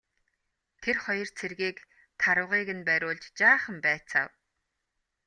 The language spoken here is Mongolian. Тэр хоёр цэргийг тарвагыг нь бариулж жаахан байцаав.